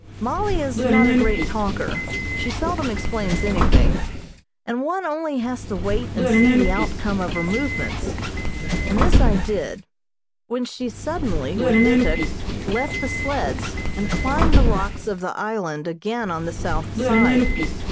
Mollie is not a great talker, she seldom explains anything, and one has only to wait and see the outcome of her movements, and this I did, when she suddenly with Ituk left the sleds and climbed the rocks of the island again on the south side.